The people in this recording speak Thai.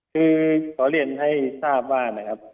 คือขอเรียนให้ทราบว่า